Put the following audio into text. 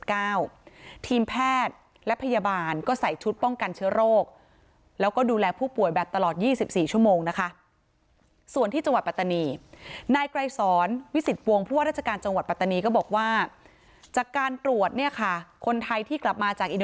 ทีมแพทย์และพยาบาลก็ใส่ชุดป้องกันเชื้อโรคแล้วก็ดูแลผู้ป่วยแบบตลอด๒๔ชั่วโมงนะคะส่วนที่จังหวัดปัตตานีนายไกรสอนวิสิตวงศ์ผู้ว่าราชการจังหวัดปัตตานีก็บอกว่าจากการตรวจเนี่ยค่ะคนไทยที่กลับมาจากอิน